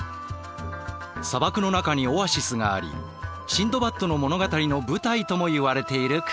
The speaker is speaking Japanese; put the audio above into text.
砂漠の中にオアシスがありシンドバッドの物語の舞台ともいわれている国。